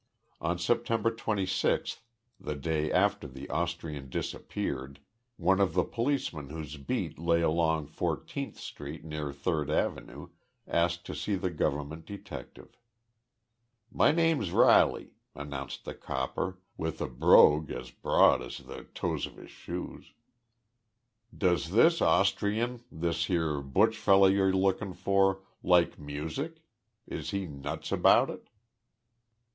On September 26th, the day after the Austrian disappeared, one of the policemen whose beat lay along Fourteenth Street, near Third Avenue, asked to see the government detective. "My name's Riley," announced the copper, with a brogue as broad as the toes of his shoes. "Does this Austrian, this here Buch feller ye're lookin' for, like music? Is he nuts about it?"